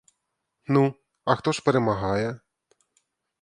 Ну, а хто ж перемагає?